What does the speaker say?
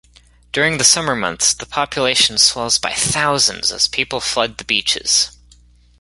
During the summer months, the population swells by thousands as people flood the beaches.